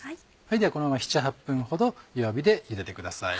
ではこのまま７８分ほど弱火でゆでてください。